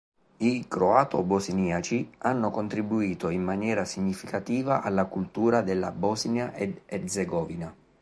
I croato-bosniaci hanno contribuito in maniera significativa alla cultura della Bosnia ed Erzegovina.